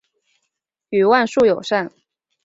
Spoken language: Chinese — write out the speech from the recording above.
与万树友善。